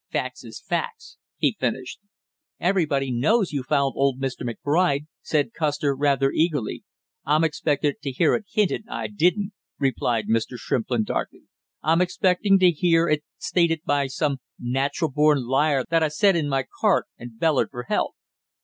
"Facts is facts," he finished. "Everybody knows you found old Mr. McBride " said Custer rather eagerly. "I'm expecting to hear it hinted I didn't!" replied Mr. Shrimplin darkly. "I'm expecting to hear it stated by some natural born liar that I set in my cart and bellered for help!"